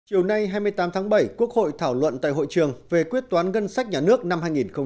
chiều nay hai mươi tám tháng bảy quốc hội thảo luận tại hội trường về quyết toán ngân sách nhà nước năm hai nghìn một mươi tám